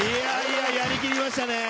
やりきりましたね。